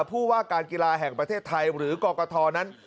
ผู้ว่าการกีฬาแห่งประเทศไทยหรือกรกฐนั้น